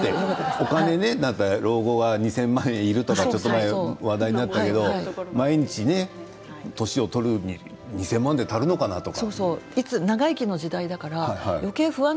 老後は２０００万いるとか話題になっていますけど毎日、年を取るに２０００万で足りるのかなとか。